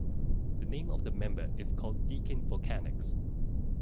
The name of the member is called Deakin Volcanics.